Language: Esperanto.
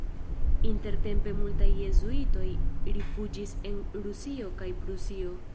Intertempe multaj jezuitoj rifuĝis en Rusio kaj Prusio.